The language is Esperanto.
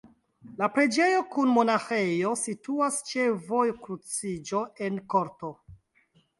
La preĝejo kun monaĥejo situas ĉe vojkruciĝo en korto.